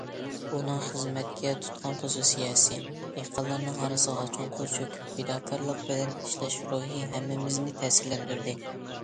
ئۇنىڭ خىزمەتكە تۇتقان پوزىتسىيەسى، دېھقانلارنىڭ ئارىسىغا چوڭقۇر چۆكۈپ پىداكارلىق بىلەن ئىشلەش روھى ھەممىمىزنى تەسىرلەندۈردى.